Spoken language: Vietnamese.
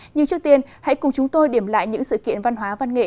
nhưng trước tiên hãy cùng chúng tôi điểm lại những sự kiện văn hóa văn nghệ